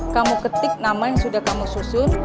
kamu ketik nama yang sudah kamu susun